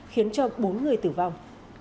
khiến cho bốn người tử vong